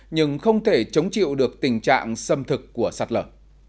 nhưng không thể chống chịu được tình trạng xâm thực của sạt lở